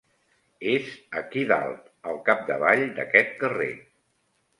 És aquí dalt, al capdavall d'aquest carrer.